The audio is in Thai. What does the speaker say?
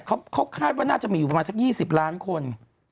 เขาคาดว่าน่าจะมีอยู่ประมาณสัก๒๐ล้านคน